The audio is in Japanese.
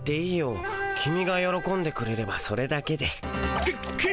キミがよろこんでくれればそれだけで。